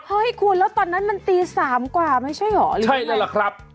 เฮ้ยคุณแล้วตอนนั้นมันตี๓กว่าไม่ใช่หรอเหรอไหมใช่นั่นแหละครับ